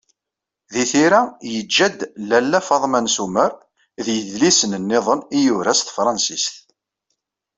Di tira, yeǧǧa-d: Lalla Fatma n Sumer, d yidlisen-nniḍen i yura s tefransist.